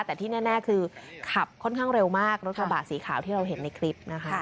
แต่ที่แน่คือขับค่อนข้างเร็วมากรถกระบะสีขาวที่เราเห็นในคลิปนะคะ